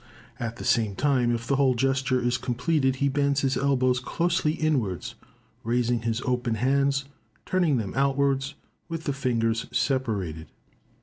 At the same time, if the whole gesture is completed, he bends his elbows closely inwards, raises his open hands, turning them outwards, with the fingers separated.